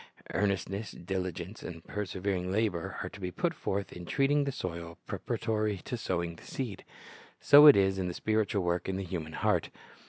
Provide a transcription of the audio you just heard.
Earnestness, diligence, and persevering labor are to be put forth in treating the soil preparatory to sowing the seed. So it is in the spiritual work in the human heart.